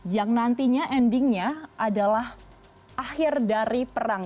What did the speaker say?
yang nantinya endingnya adalah akhir dari perang